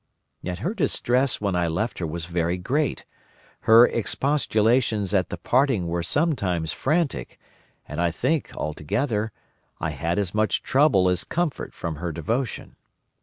Yet her distress when I left her was very great, her expostulations at the parting were sometimes frantic, and I think, altogether, I had as much trouble as comfort from her devotion.